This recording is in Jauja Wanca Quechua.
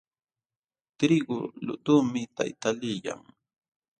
Trigu lutuqmi tayta liyan.